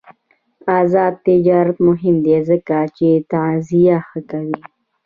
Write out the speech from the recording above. آزاد تجارت مهم دی ځکه چې تغذیه ښه کوي.